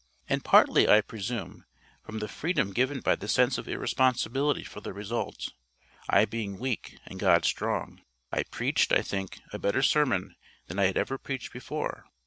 And partly, I presume, from the freedom given by the sense of irresponsibility for the result, I being weak and God strong, I preached, I think, a better sermon than I had ever preached before.